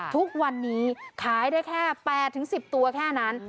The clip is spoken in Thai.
ทุกวันนี้ขายได้แค่๘๑๐ตัวแค่นั้น